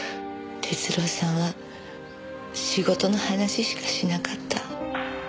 徹郎さんは仕事の話しかしなかった。